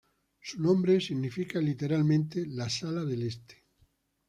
Su nombre significa literalmente "la sala del este".